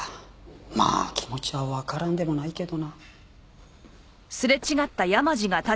まあ気持ちはわからんでもないけどな。